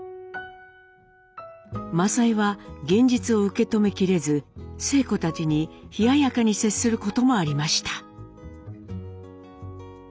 政枝は現実を受け止めきれず晴子たちに冷ややかに接することもありました。